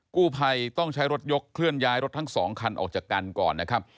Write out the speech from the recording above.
กู้ภัยต้องใช้รถยกเคลื่อนย้ายรถทั้งสองคันออกจากกันก่อนนะครับ